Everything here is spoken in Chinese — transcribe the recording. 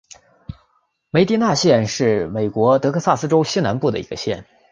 梅迪纳县是美国德克萨斯州西南部的一个县。